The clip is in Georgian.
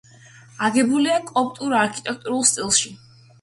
აგებულია კოპტურ არქიტექტურულ სტილში.